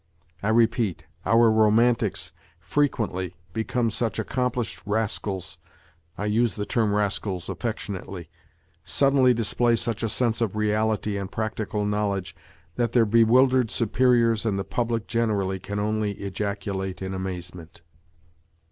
I repeat, our romantics, frequently, become such accomplished rascals (I use the term " rascals " affectionately), suddenly display such a sense of reality and practical knowledge that their bewildered superiors and the public generally can only ejaculate in amazement.